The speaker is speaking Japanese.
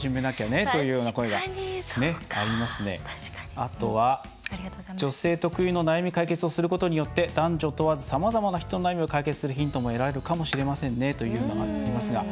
あとは「女性特有の悩み解決をすることによって男女問わずさまざまな人の悩みを解決するヒントも得られるかもしれませんね」というのもありますが。